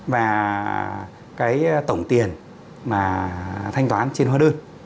và cái tổng tiền mà thanh toán trên hóa đơn